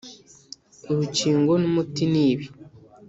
urukingo n’umuti ni ibi